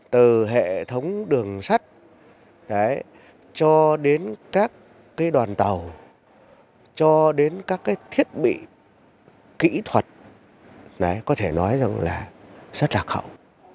từ hệ thống đường sắt cho đến các đoàn tàu cho đến các thiết bị kỹ thuật có thể nói rằng là rất lạc hậu